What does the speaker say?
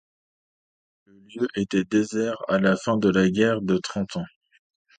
Le lieu était désert à la fin de la guerre de Trente Ans.